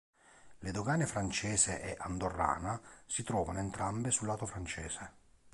Le dogane francese e andorrana si trovano entrambe sul lato francese.